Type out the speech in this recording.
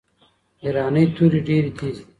ایرانۍ توري ډیري تیزي دي.